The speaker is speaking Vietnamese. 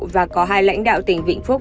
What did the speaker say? và có hai lãnh đạo tỉnh vĩnh phúc